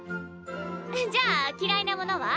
じゃあ嫌いなものは？